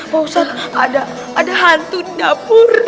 bahusat ada hantu di dapur